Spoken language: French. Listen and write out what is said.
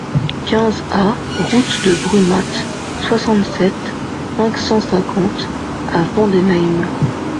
quinze A route de Brumath, soixante-sept, cinq cent cinquante à Vendenheim